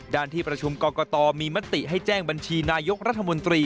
ที่ประชุมกรกตมีมติให้แจ้งบัญชีนายกรัฐมนตรี